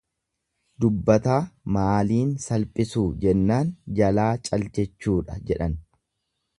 Dubbataa maaliin salphisuu jennaan, jalaa cal jechuudha jedhan.